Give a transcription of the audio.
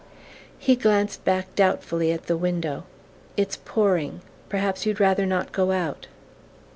He glanced back doubtfully at the window. "It's pouring. Perhaps you'd rather not go out?"